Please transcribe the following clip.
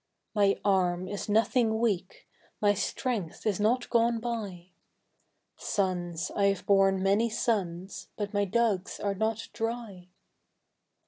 My arm is nothing weak, my strength is not gone by; Sons, I have borne many sons but my dugs are not dry.